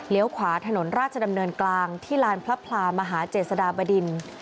ขวาถนนราชดำเนินกลางที่ลานพระพลามหาเจษฎาบดิน